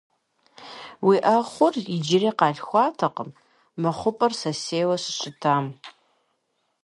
Уи Ӏэхъуэр иджыри къалъхуатэкъым, мы хъупӀэр сысейуэ щыщытам.